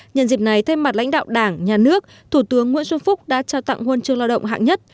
nhân dịp này thay mặt lãnh đạo đảng nhà nước thủ tướng nguyễn xuân phúc đã trao tặng huân chương lao động hạng nhất